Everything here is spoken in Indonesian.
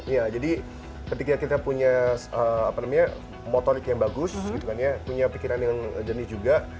iya jadi ketika kita punya motorik yang bagus punya pikiran yang jernih juga